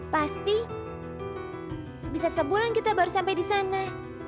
pasti bisa sebulan kita baru sampai disana